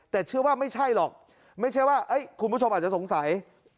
แต่เชื่อว่าไม่ใช่หรอกไม่ใช่ว่าคุณผู้ชมอาจจะสงสัย